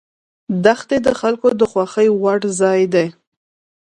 دښتې د خلکو د خوښې وړ ځای دی.